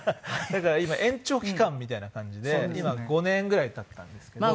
だから今延長期間みたいな感じで今５年ぐらい経ったんですけど。